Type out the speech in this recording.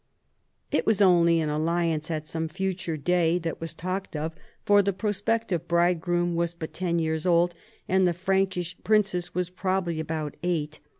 It was only an alliance at some future day that was talked of, for the prospective bridegroom was but ten years old, and the Frankish princess was probabh'^ about eight.